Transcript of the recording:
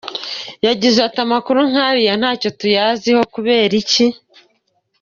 Yagize ati “Amakuru nk’ariya ntacyo tuyaziho, kubera iki Dr.